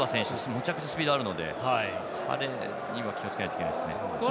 めちゃくちゃスピードあるのであれには気をつけないといけないですね。